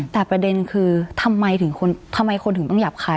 แต่ประเด็นคือทำไมคนถึงต้องหยาบคาย